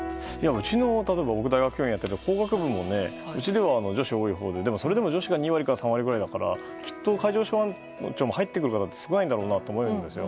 うちの、僕が大学教員をやっている大学でも工学部もうちでは女子が多いほうででも、それでも女子が２割から３割ぐらいだからきっと海上保安庁も入ってくる人が少なかったと思うんですよ。